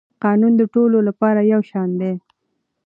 قانون د ټولو لپاره یو شان دی.